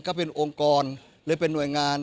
ก็เป็นองค์กรหรือเป็นหน่วยงาน